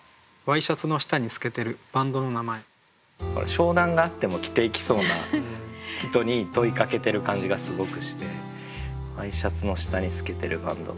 商談があっても着て行きそうな人に問いかけてる感じがすごくして「ワイシャツの下に透けてるバンドの名前」